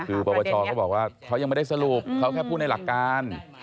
คือปปชก็บอกว่าเขายังไม่ได้สรุปเขาแค่พูดในหลักการ